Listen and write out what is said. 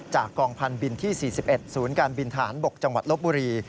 จากกองพันธบินที่๔๑ศูนย์การบินทหารบกจังหวัดลบบุรี